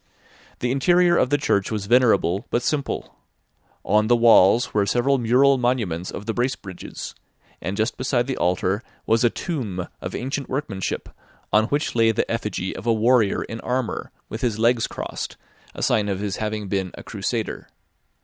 The interior of the church was venerable but simple; on the walls were several mural monuments of the Bracebridges, and just beside the altar was a tomb of ancient workmanship, on which lay the effigy of a warrior in armour, with his legs crossed, a sign of his having been a crusader.